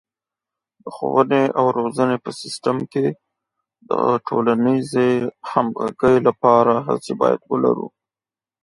د ښوونې او روزنې په سیستم کې د ټولنیزې همغږۍ لپاره هڅې باید ولرو.